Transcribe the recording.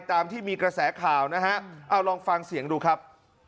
ตามที่มีกระแสข่าวนะฮะเอาลองฟังเสียงดูครับ